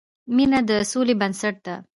مینه د سولې بنسټ ده.